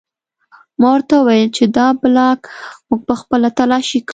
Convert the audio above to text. ما ورته وویل چې دا بلاک موږ پخپله تلاشي کړ